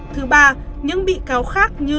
thứ ba những bị cáo khác như